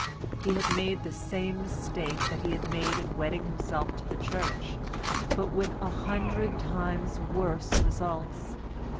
He had made the same mistake that he had made in wedding himself to the Church, but with a hundred times worse results.